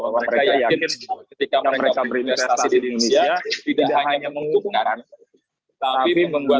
mereka yakin ketika mereka berinvestasi di indonesia tidak hanya menghubungkan